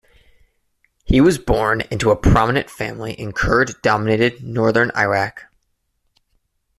He was born into a prominent family in Kurd-dominated northern Iraq.